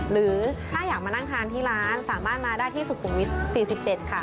หรือถ้าอยากมานั่งทานที่ร้านสามารถมาได้ที่สุขุมวิทย์๔๗ค่ะ